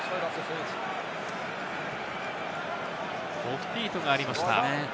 オフフィートがありました。